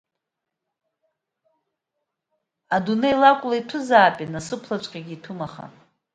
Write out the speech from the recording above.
Адунеи лакәла иҭәызаапе, насыԥлаҵәҟьа иҭәым аха.